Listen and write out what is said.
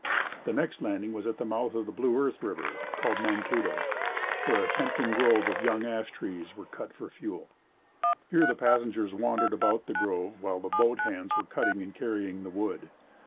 The next landing was at the mouth of the Blue Earth River, called Mankato, where a tempting grove of young ash trees were cut for fuel. Here the passengers wandered about the grove while the boat hands were cutting and carrying the wood.